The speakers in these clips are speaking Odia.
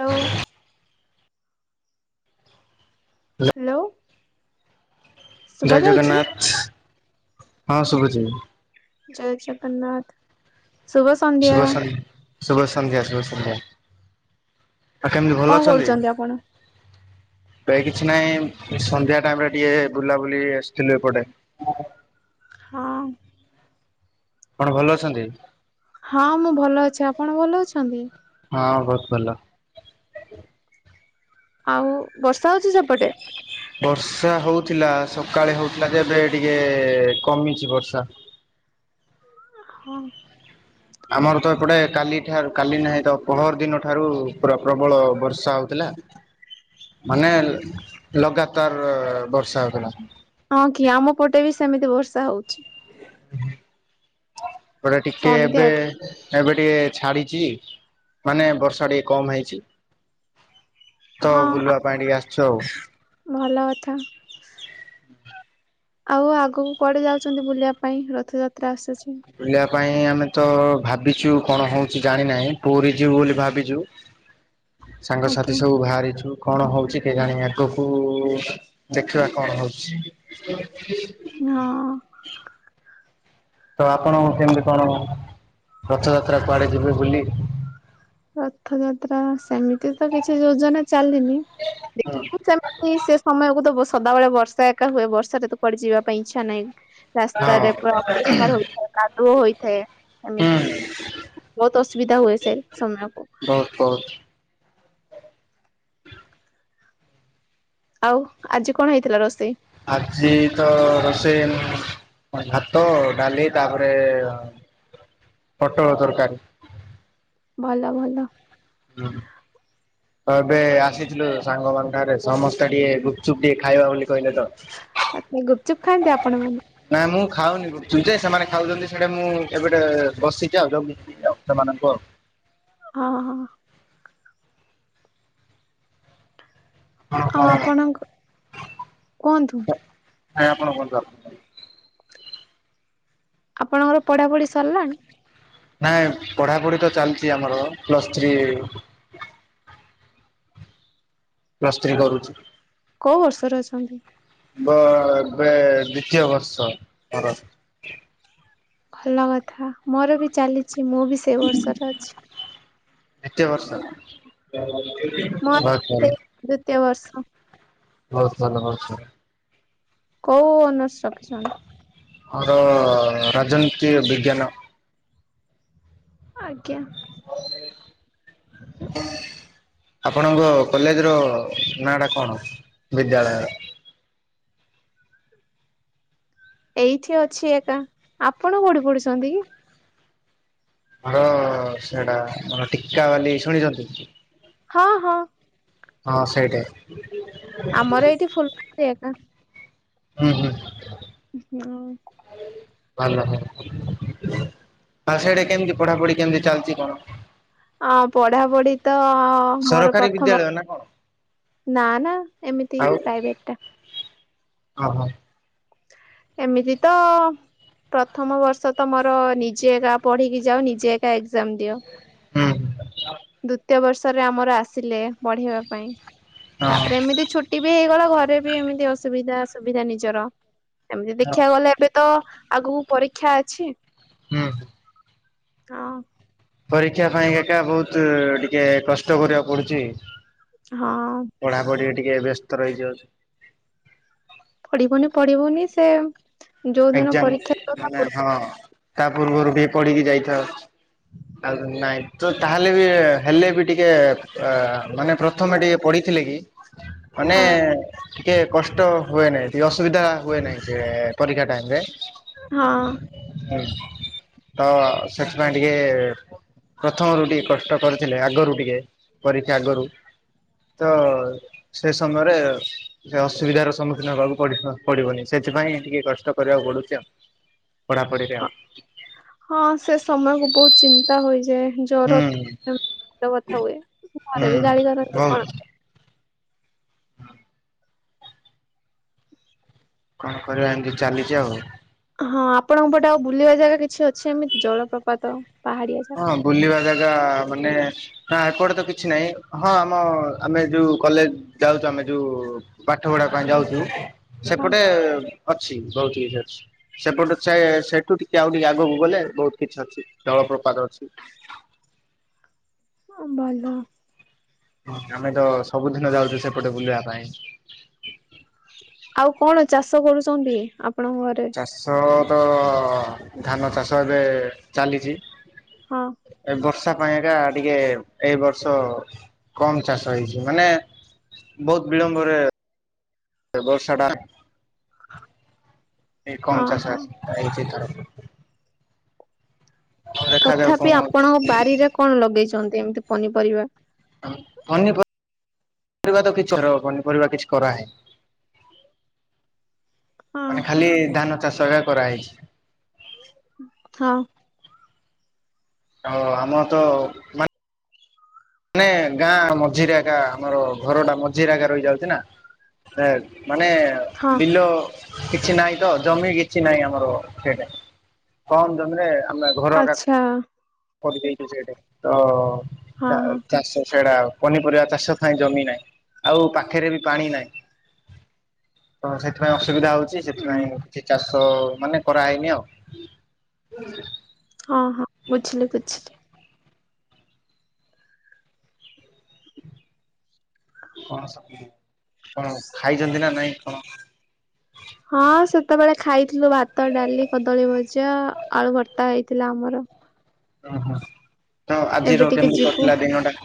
ହ୍ୟାଲ ହ୍ୟାଲୋ ହେଲୋ ଜୟ ଜଗନ୍ନାଥ ହଁ ଶୁଭୁଛି ଜୟ ଜଗନ୍ନାଥ ଶୁଭ ସନ୍ଧ୍ୟା ଶୁଭ ସନ୍ ଶୁଭ ସନ୍ଧ୍ୟା ଶୁଭ ସନ୍ଧ୍ୟା ଆଉ କେମିତି ଭଲ କଣ ଅଛନ୍ତି କରୁଛନ୍ତି ଆପଣ? ଏଇ କିଛି ନାଇଁ ସନ୍ଧ୍ୟା ଟାଇମ ରେ ଟିକେ ବୁଲାବୁଲି ଆସିଥିଲୁ ଏପଟେ ହଁ କଣ ଭଲ ଅଛନ୍ତି ହଁ ମୁଁ ଭଲ ଅଛି ଆପଣ ଭଲ ଅଛନ୍ତି ହଁ ବହୁତ ଭଲ ଆଉ ବର୍ଷା ହଉଛି ସେପଟେ ବର୍ଷା ହଉଥିଲା ସକାଳେ ହଉଥିଲା ଯେ ଏବେ ଟିକେ କମିଛି ବର୍ଷା ହଁ ଆମର ତ ଏପଟେ କାଲିଠାରୁ କାଲି ନାହିଁ ତ ପହରଦିନ ଠାରୁ ପୁରା ପ୍ରବଳ ବର୍ଷା ହଉଥିଲା ହଁ [inaudible] ମାନେ ଲଗାତାର ବର୍ଷା ହେଉଥିଲା ହଁ କି ଆମ ପଟେ ବି ସେମିତି ବର୍ଷା ହଉଛି ପଟେ ଟିକେ ଏବେ ସନ୍ଧ୍ୟାଠୁ। ଏବେ ଟିକେ ଛାଡିଛି ମାନେ ବର୍ଷା ଟିକେ କମ ହେଇଛି ତ ହଁ ବୁଲିବା ପାଇଁ ଟିକେ ଆସିଛୁ ଆଉ ଭଲ କଥା ଆଉ ଆଗକୁ କୁଆଡେ ଯାଉଛନ୍ତି ବୁଲିବା ପାଇଁ ରଥଯାତ୍ରା ଆସୁଛି ବୁଲିବା ପାଇଁ ଆମେ ତ ଭାବିଛୁ କଣ ହଉଛି ଜାଣି ନାହିଁ ପୁରି ଯିବୁ ବୋଲି ଭାବିଛୁ ଆଜ୍ଞା ସାଙ୍ଗସାଥି ସବୁ ବାହାରିଛୁ କଣ ହଉଛି କେଜାଣି ଆଗକୁ ଦେଖିବା କଣ ହଉଛି ହଁ ତ ଆପଣ କେମିତି କଣ ରଥଯାତ୍ରା କୁଆଡେ ଯିବେ ବୁଲି? ରଥ ଯାତ୍ରା ସେମିତି ତ କିଛି ଯୋଜନା ଚାଲିିଲି ହଁ ଦେଖିବୁ ସେମିତି ସେ ସମୟକୁ ତ ବସ ସଦାବେଳେ ବର୍ଷା ଏକା ହୁଏ ବର୍ଷାରେ ତ କୁଆଡେ ଯିବା ପାଇଁ ଇଚ୍ଛା ନାହିଁ। ରାସ୍ତାରେ ପୁରା ଅପରିଷ୍କାର ହୋଇଥାଏ କାଦୁଅ ହୋଇଥାଏ। ହୁଁ ଏମିତି ବହୁତ ଅସୁବିଧା ହୁଏ ସେ। ସମୟକୁ ବହୁତ ବହୁତ। ଆଉ ଆଜି କଣ ହେଇଥିଲା ରୋଷେଇ? ଆଜି ତ ରୋଷେଇ ଭାତ ଡାଲି। ତାପରେ ପୋଟଳ ତରକାରୀ। ଭଲ ଭଲ। ହୁଁ। ତ ଏବେ ଆସିଥିଲୁ ସାଙ୍ଗମାନ ଠାରେ ସମସ୍ତେ ଟିକେ ଗୁପଚୁପ ଟିକେ ଖାଇବା ବୋଲି। କହିଲେ ତ ଆଚ୍ଛା ଗୁପଚୁପ୍ ଖାଆନ୍ତି ଆପଣ ମାନେ ନାଇ ମୁଁ ଖାଉନି ଗୁପ୍ ଚୁପ୍ ସେମାନେ ଖାଉଛନ୍ତି ସେଟା ମୁଁ ଏବେଟେ ବସିଛିି ଆଉ ଜଗିଛି ସେମାନଙ୍କୁ ଆଉ। ଅ ହଁ। କଣ ଆଉ କଣ ଆପଣଙ୍କ କୁହନ୍ତୁ? ନାଇଁ ଆପଣ କୁହନ୍ତୁ ଆଗ ତାଲେ ଆପଣଙ୍କର ପଢା ପଢି ସରିଲାଣି? ନାଇଁ ପଢ଼ାପଢି ତ ଚାଲିଛି ଆମର ପ୍ଲସ୍ ଥ୍ରୀ ପ୍ଲସ୍‌ ଥ୍ରୀ କରୁଛି। କୋଉ ବର୍ଷରେ ଅଛନ୍ତି? ବ ଏବେ ଦ୍ଵିତୀୟ ବର୍ଷ ପର। ଭଲ କଥା ମୋର ବି ଚାଲିଛି ମୁଁ ବି ସେଇ ବର୍ଷରେ ଅଛି। ଏତେ ବର୍ଷ ହୋଉ ତାହାଲେ। ସେ ବର୍ଷ ହୋଉ ସଲ ହୋଉ ସ କୋଉ ଅନର୍ସ ରଖିଛନ୍ତି? ଅର ରାଜନୀତି ବିଜ୍ଞାନ। ଆଜ୍ଞା। ଆପଣଙ୍କ କଲେଜ ର ନାଁ ଟା କଣ ବିଦ୍ୟାଳୟ ଏଇଠି ଅଛି ଏକା ଆପଣ କୋଠି ପଢୁସନ୍ତି କି? ହଁ ସେଟା ମର ଟିକା ବାଲି ଶୁଣିଛନ୍ତି? ହଁ ହଁ। ହଁ ସେଇଟାଏ। ଆମର ଏଇଠି ଫୁଲ୍କାଏ ଏକା ହୁଁ ହୁଁ। ହଁ। ଭଲ ଭଲ ଆଉ ସେଇଟା କେମିତି ପଢାପଢି କେମିତି ଚାଲିଛି କଣ? ଆ ପଢାପଢି ତ ମୋର ସରକାରୀ ପ୍ରଥମ ବିଦ୍ୟାଳୟ ନା କଣ? ନା ନା ଏମିତି ପ୍ରାଇଭେଟ ଟା। ଅହୋ। ଏମିତି ତ ପ୍ରଥମ ବର୍ଷ ତମର ନିଜେ ଏକା ପଢିକି ଯାଉ ନିଜେ ଏକା ଏକ୍ଜାମ ଦିଅ। ହୁଁ ହୁଁ। ଦ୍ଵିତୀୟ ବର୍ଷରେ ଆମର ଆସିଲେ ବଢେଇବା ପାଇଁ ତାପରେ ହଁ ଏମିତି ଛୁଟି ବି ହେଇଗଲା ଘରେ ବି ଏମିତି ଅସୁବିଧା ସୁବିଧା ନିଜର ଏମିତି ଦେଖିବାକୁ ଗଲେ ଏବେ ତ ଆଗକୁ ପରୀକ୍ଷା ଅଛି ହୁଁ ହୁଁ। ହଁ। ପରୀକ୍ଷା ପାଇଁ ଏକ ଏକ ବହୁତ ଟିକେ କଷ୍ଟ କରିବାକୁ ପଡୁଛି ହଁ। ପଢାପଢିରେ ଟିକେ ବ୍ୟସ୍ତ ରହିଯାଉଛି। ପଢିବୁନି ପଢିବୁନି ସେ ଯୋଉ ଦିନ ଏକ୍ଜାମ ପରୀକ୍ଷା ମାନେ ପୂବରୁ ହଁ ତା ପୂର୍ବରୁ ବି ପଢିକି ଯାଇଥାଉ। ନାଇଁ ତ ତାହେଲେ ବି ହେଲେ ବି ଟିକେ ଅ ମାନେ ପ୍ରଥମେ ଟିକେ ପଢିଥିଲେ କି ମାନେ ହଁ ଟିକେ କଷ୍ଟ ହୁଏ ନହିଁ ଏ ଅସୁବିଧା ହୁଏ ନାହିଁ କି ପରୀକ୍ଷା ଟାଇମ ରେ। ହୁଁ ହଁ। ତ ସେଥି ପାଇଁ ଟିକେ। ପ୍ରଥମରୁ ଟିକେ କଷ୍ଟ କରିଥିଲେ ଆଗରୁ ଟିକେ ପରୀକ୍ଷା ଆଗରୁ ତ ସେ ସମୟରେ ସେ ଅସୁବିଧାର ସମ୍ମୁଖୀନ ହବାକୁଡ ପଡିବନି ସେ ସେଥିପାଇ ଟିକେ କଷ୍ଟ କରିବାକୁ ପଡୁଛି ଆଉ। ପଢାପଢିରେ ଆଉ ହଁ ସେ ସମୟ କ ବହୁତ ଚିନ୍ତା ହୋଇଯାଏ। ଜର ହୁଁ ଥଣ୍ଡା ମୁଣ୍ଡ ବଥା ହୁଏ ହୁଁ ଘରେ ବି ଗାଳି କରନ୍ତି କଣ ବହୁତ କରିବା। କଣ କରିବା ଏମତି ଚାଲିଛି ଆଉ। ହଁ ଆପଣଙ୍କ ପଟେ ଆଉ ବୁଲିବା ଜାଗା କିଛି ଅଛି ଏମିତି ଜଳପ୍ରପାତ। ପାହାଡିଆ ଜାଗା ହଁ ବୁଲିବା ଜାଗା। ମାନେ ନା ଏଆଟେ ତ କିଛି ନାହିଁ ହଁ ଆମ ଆମେ ଯୋଉ କଲେଜ ଯାଉଛୁ ଆମେ। ଯୋଉ ପାଠ ପଢା ପାଇଁ ଯାଉଛୁ ସେପଟେ ଅ ବହୁତ କିଛି ଅଛି ସେପଟେ ସେ ସେଠୁ ଟିକେ ଆଉ ଟିକେ ଆଗକୁ ଗଲେ ବହୁତ କିଛି ଅଛି ଜଳପ ପଢୁଛି। ଅଁ ଭଲ। ଆମେ ତ ସବୁଦିନ ଯାଉଛୁ ସେପଟେ ବୁଲିବା ପାଇଁ। ଆଉ କଣ ଚାଷ କରୁଛନ୍ତି। ଆପଣଙ୍କ ଘରେ ଚାଷ ତ ଧାନ ଚାଷ ଏବେ ଚାଲିଛି। ହଁ ଏ ବର୍ଷ। ଚାଷ ପାଇଁକା ଟିକେ ଏଇ ବର୍ଷ କମ ଚାଷ ହେଇଛି ମାନେ ବହୁତ ବିଳମ୍ବରେ ବର୍ଷା ଟା କମ୍ ହଁ ଚାଷ ହଁ ହେଇଛି ଏଥର। ଆଉ ଦେଖାଯାଉ ତଥାପି କଣ ହଉଛି ଆପଣଙ୍କ ବାରିରେ କଣ ଲଗେଇଛନ୍ତି ଏମିତି ପନିପରିବା। ପନି ପରିବା ତ କିଛି ପନିପରିବା କିଛି କରାହେ ହଁ ମାନେ ହଁ ଖାଲି ଧାନ ଚାଷା କରାହେଇଛି। ହଁ। ହ ଆମ ତ ମାନେ ମାନେ ଗାଁ ମଝିରେ ଆଗା ଆମର ଘର ଟା ମଝିରେ ଆଗା ରହିଯାଉଛି ନା। ମାନେ ହଁ ବିଲ। କିଛି ନାହିଁ ତ ଜମି କିଛି ନାହିଁ ଆମର ସେଟା କମ ଜମିରେ। ଆଛା। ହଜି ଯାଇଥିବ ସେଆଡେ଼। ହଁ ହଁ। ସେଇଟା ପନିପରିବା ଚାଷ ଥାଏ ଜମି ନାହିଁ ଆଉ ପାଖରେ ବି ପାଣି ନାହିଁ। ତ ସେଥିପାଇଁ ଅସୁବିଧା ହଉଛି। ଉଁ ସେଥିପାଇଁ କିଛି ଚାଷ ମାନେ କରାହଇନି ଆଉ। ହଁ ହଁ ବୁଝିଲି ବୁଝିଲି। କଣ ସ କଣ ଖାଇଛନ୍ତି ନା ନାଇଁ କଣ। ହଁ ସେତେବେଳେ ଖାଇଥିଲୁ ଭାତ ତ ହେଇଥିଲା ଆମର। ଓହୋ ତ ଏବେ ଆଜିର ଟିକେ କେମିତି ଯିବୁ କାଟିଲା ଦିନ ଟା।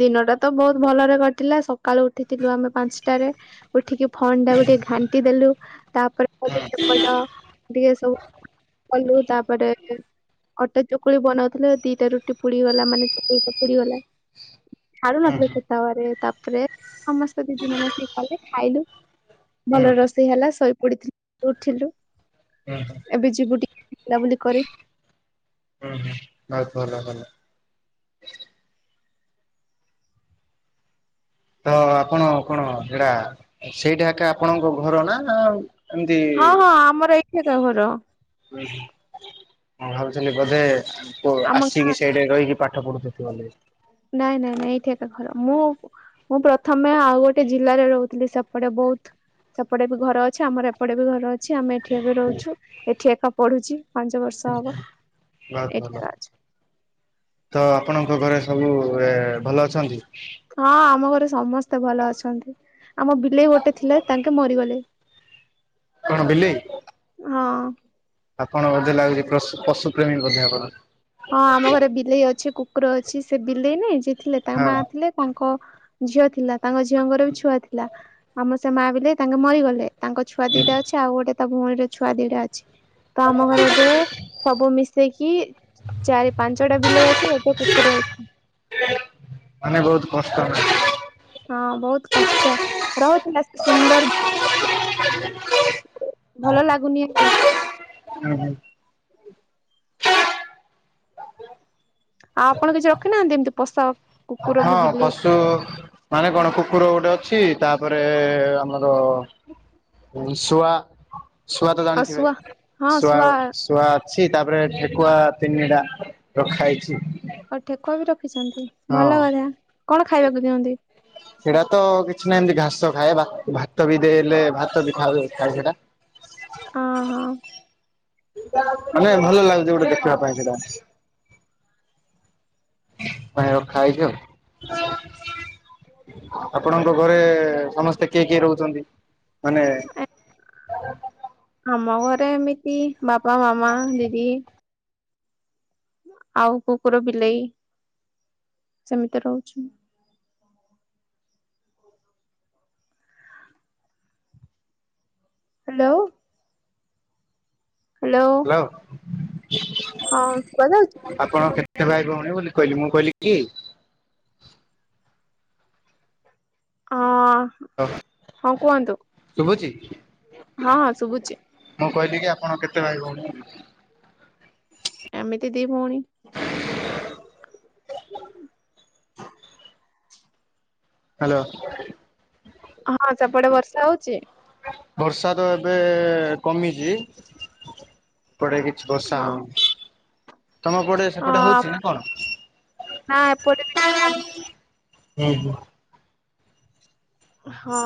ଦିନ ଟା ତ ବହୁତ ଭଲରେ କଟିଲା ସକାଳୁ ଉଠିଥିଲୁ ଆମେ ପାଞ୍ଚଟାରେ ଉଠିକି ଫନ୍ ଟାକୁ ଟିକେ ଘାଣ୍ଟି ଦେଲୁ ତାପରେ ହୁଁ [unintelligible] ସେପଟ ଟିକେ ସବୁ କଲୁ ତାପରେ। ଅଟା ଚକୁଳି ବନାଉଥିଲୁ ଦିଟା ରୁଟି ପୁଡିଗଲା ମାନେ ଚକୁଳି ଟା ପୁଡିଗଲା। ହୁଁ ହୁଁ ଛାଡୁନଥିଲେ ସେତାପରେ ତାପରେ ସମସ୍ତେ ଦିଦି ମାନେ ଆସିକି କଲେ ଖାଇଲୁ। ହୁଁ ଭଲ ରୋଷେଇ ହେଲା ଶୋଇ ପଡିଥିଲୁ ଉଠିଲୁ ହୁଁ ହୁଁ ଏବେ ଯିବୁ ଟି ବୁଲାବୁଲି କରି। ବହୁତ୍ ଭଲ କଲ। ତ ଆପଣ କଣ ସେଟା ସେଇଟା ଏକା ଆପଣଙ୍କ ଘର ନା ଆଉ ଏମିତି ହଁ ହଁ ଆମର ଏଇଠି ଏକା ଘର ଉହୁଁ। ମୁଁ ଭାବୁଥିଲି ବୋଧେ ପ ଆମ ଗାଁ ଆସିକି ସେଇଠେ ରହିକି ପାଠପଢୁ ଥିଲୁ ବୋଲିକି। ନାଇଁ ନାଇଁ ନାଇଁ ଏଇଠି ଏକା ଘର ମୁଁ ମୁଁ ପ୍ରଥମେ ଆଉ ଗୋଟେ ଜିଲ୍ଲରେ ରୋହୁଥିଲି ସେପଟେ ବୋହୁତ ସେପଟେ ବି ଘର ଅଛି ଆମର ଏପଟେ ବି ଘର ଅଛି ଆମେ ଏଠି ଏବେ ରୋହୁଛୁ ଏଠି ଏକା ପଢୁଛି ପାଞ୍ଚ ବର୍ଷ ହବ। ବହୁତ ଭଲ। ଏଠି ଆଇନା ଅଛି। ତ ଆପଣଙ୍କ ଘରେ ସବୁ ଏ ଭଲ ଅଛନ୍ତି। ହଁ ଆମ ଘରେ ସମସ୍ତେ ଭଲ ଅଛନ୍ତି ଆମ ବିଲେଇ ଗୋଟେ ଥିଲା ତାଙ୍କେ ମରିଗଲେ। କଣ ବିଲେଇ। ହଁ। ଆପଣ ବୋଧେ ଲାଗୁଚି ପଶୁ ପଶୁ ପ୍ରେମୀ ବୋଧେ ଆପଣ। ହଁ ଆମ ଘରେ ବିଲେଇ ଅଛି କୁକୁର ଅଛି ସେ ବିଲେଇ ନାଇଁ ଯିଏ ଥିଲେ ତାଙ୍କ ହଁ ମାଆ ଥିଲେ ତାଙ୍କ ଝିଅ ଥିଲା ତାଙ୍କ ଝିଅଙ୍କର ବି ଛୁଆ ଥିଲା ଆମ ସେ ମାଆ ବିଲେ ତାଙ୍କେ ମରିଗଲେ। ତାଙ୍କ ଛୁଆ ଦିଟା ଅଛି ଆଉ ଗୋଟେ ତା ଭଉଣୀର ଛୁଆ ଦିଟା ଅଛି ତ ଆମ ଘରେ ଏବେ ସବୁ ମିଶ ସେଇକି ଚାରି ପାଞ୍ଚଟା ବିଲେଇ ଅଛି ଗୋଟେ କୁକୁର ଅଛି। ମାନେ ବହୁତ କଷ୍ଟ ହୁଁ ହଁ ବୋହୁତ କଷ୍ଟ ରହୁଥିଲା ସେ ସୁନ୍ଦର ବିଲେଇ। ଭଲ ଲାଗୁନି ଆଉ। ଉହୁଁ। ଆଉ ଆପଣ କିଛି ରଖିନାହାନ୍ତି ଏମିତି ପୋଷା କୁକୁର ହଁ କି ବିଲେଇ ପଶୁ ମାନେ କଣ କୁ କୁକୁର ଗୋଟେ ଅଛି ତାପରେ ଆମର ଉଁ ଶୁଆ ଶୁଆ ତ ଆଉ ଜାଣିଥିବେ ଶୁଆ ହଁ ଶୁଆ ଶୁଆ ଅଛି ତାପରେ ଠେକୁଆ ତିନି ଟା ରଖା ହେଇଛି। ଆଉ ଠେକୁୁଆ ବି ରଖ ରଖିଛନ୍ତି ହଁ ଭଲ କଥା କଣ ଖାଇବାକୁ ଦିଅନ୍ତି। ଖାଇବା ଭା ଭାତ ବି ଦେଲେ ଭାତ ବି ଖାଉ ଖାଏ ସେଟା। ଅହଁ। ମାନେ ଭଲ ଲାଗୁଚି ଗୋଟେ ଦେଖିବା ପାଇଁ ସେଇଟା। ପାଇଁ ରଖା ହେଇଚି ଆଉ। ଆପଣଙ୍କ ଘରେ ସମସ୍ତେ କିଏ କିଏ ରୋହୁଛନ୍ତି ମାନେ [inaudible] ଆମ ଘରେ ଏମିତି ବାପା ମାମା ଦିଦି ଆଉ କୁକୁର ବିଲେଇ ସେମିତି ରୋହୁଛୁ। ହାଲୋ। ହାଲୋ। ହଁ ଶୁବାଯାଉଚି। ସେ ଭାଇ ଭୋଉଣୀ ବୋଲି କହିଲି ମୁଁ କହିଲି କିଏ। ଅଁ। ହଁ କୁହନ୍ତୁ ଶୁଭୁଛି ହଁ ହଁ ଶୁବୁଚି। ମୁଁ କହିଲି କି ଆପଣ କେତେ ଭାଇ ଭୋଉଣୀ। ଏମିତି ଦି ଭଉଣୀ। ହାଲୋ। ହଁ ସେପଟେ ବର୍ଷା ହଉଛି? ବର୍ଷା ତ ଏବେ କମିଛି। ଏପଟେ କିଛି ବର୍ଷା ହଁ ହଉନି ତମ ପଟେ ସେପଟେ ହଁ ହଉଛି ନା କଣ? ନା ଏପଟେ ବି ଟିକେ କମିଛି। ହୁଁ ହୁଁ। ହଁ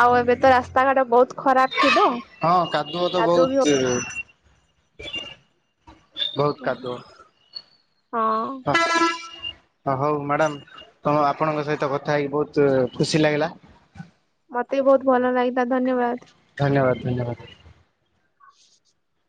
ଆଉ ଏବେ ତ ରାସ୍ତାଘାଟ ବହୁତ ଖରାପ ଥିବ ହଁ କାଦୁଅ ତ ବହୁତ ଇଏ। ବହୁତ ହଉ କାଦୁଅ। ହଁ। ହ ହଉ ମ୍ୟାଡାମ ତମ ଆପଣଙ୍କ ସହିତ କଥା ହେଇକି ବହୁତୁ ଖୁସି ଲାଗିଲା। ମତେ ବି ବହୁତ ଭଲ ଲାଗିଥା ଧନ୍ୟବାଦ। ଧନ୍ୟବାଦ ଧନ୍ୟବାଦ। ଆ